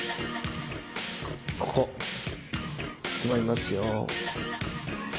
ここつまみますよ。